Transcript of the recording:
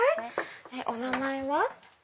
お名前は？